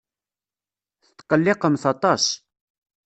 Tetqelliqemt aṭas.